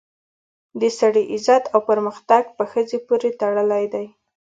د سړي عزت او پرمختګ په ښځې پورې تړلی دی